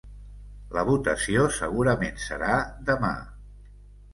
La votació segurament serà demà.